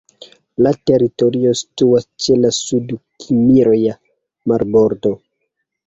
La teritorio situas ĉe la Sud-Kimria marbordo.